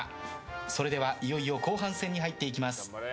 それではいよいよ後半戦に入っていきます。